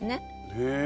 へえ！